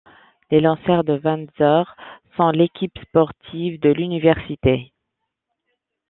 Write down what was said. Les Lancers de Windsor sont l'équipe sportive de l'université.